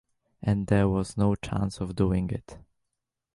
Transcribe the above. And there was no chance of doing it.